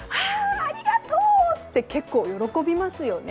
ありがとう！って結構、喜びますね。